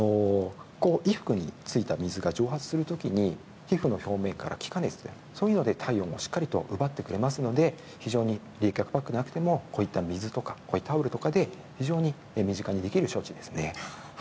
衣服についた水が蒸発する時に皮膚の表面から気化熱でしっかり奪ってくれますので非常に冷却パックがなくてもこういった水とかタオルで身近にできる処置です。